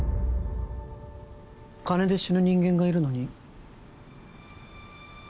金で死ぬ人間がいるのに？